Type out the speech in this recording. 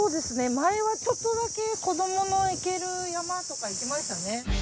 前はちょっとだけ子どもの行ける山とか行きましたね。